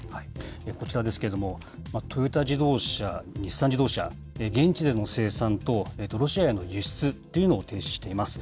こちらですけれども、トヨタ自動車、日産自動車、現地での生産とロシアへの輸出というのを停止しています。